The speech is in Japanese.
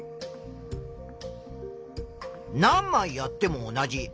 何まいやっても同じ。